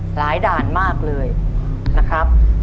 ด่านมากเลยนะครับ